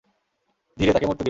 ধীরে, তাকে মরতে দিও না।